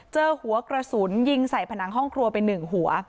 เจอหัวกระสุนยิงใส่ผนังห้องครัวไป๑หัว